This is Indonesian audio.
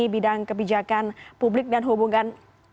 bidang kebijakan publik dan hubungan